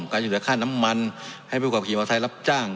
การอยู่ด้วยค่าน้ำมันให้บุคคลีมอาทัยรับจ้าง